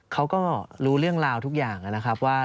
เขาก็รู้เรื่องราวทุกอย่างนะครับว่า